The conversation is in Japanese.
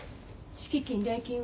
敷金礼金は？